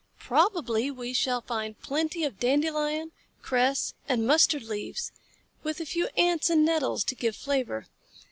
Probably we shall find plenty of dandelion, cress, and mustard leaves, with a few Ants or nettles to give flavor.